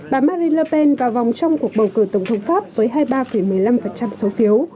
bà marine le pen vào vòng trong cuộc bầu cử tổng thống pháp với hai mươi ba một mươi năm số phiếu